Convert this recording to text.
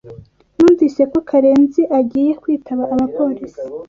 Numvise ko Karenziagiye kwitaba abapolisi.